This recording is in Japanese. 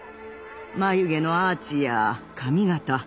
眉毛のアーチや髪形。